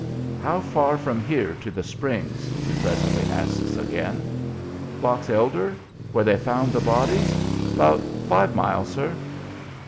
"How far from here to the Springs?" he presently asks again. "Box Elder? where they found the bodies? 'bout five mile, sir."